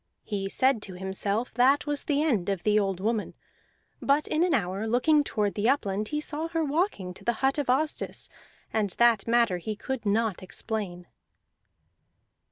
He said to himself that was the end of the old woman; but in an hour, looking toward the upland, he saw her walking to the hut of Asdis, and that matter he could not explain.